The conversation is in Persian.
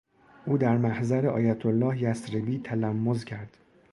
او در محضر آیت الله یثربی تلمذ کرد.